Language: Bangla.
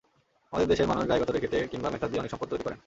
আমাদের দেশের মানুষ গায়ে-গতরে খেটে কিংবা মেধা দিয়ে অনেক সম্পদ তৈরি করেন।